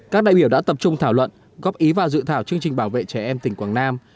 các đại biểu đã tập trung thảo luận góp ý vào dự thảo chương trình bảo vệ trẻ em tỉnh quảng nam